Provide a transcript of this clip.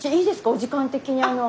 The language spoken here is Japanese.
お時間的にあの。